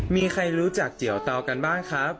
มีใครรู้จักเจียวเตากันบ้างครับ